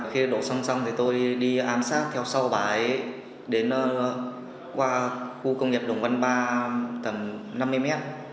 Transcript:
khi đổ xăng xong tôi đi ám sát theo sau bà ấy đến qua khu công nghiệp đồng văn ba tầm năm mươi m